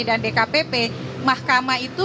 dan dkpp mahkamah itu